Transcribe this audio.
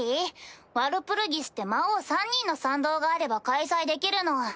ワルプルギスって魔王３人の賛同があれば開催できるの。